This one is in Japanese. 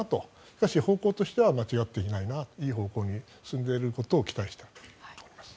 しかし、方向としては間違っていないなという方向に進んでいることを期待したいです。